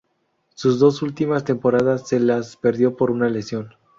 Sus dos últimas temporadas se las perdió por una lesión.